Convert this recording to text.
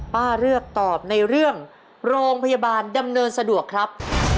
ป้าเลือกตอบในเรื่องโรงพยาบาลดำเนินสะดวกครับ